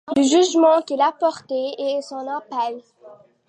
Le jugement qu'ils apportent est sans appel.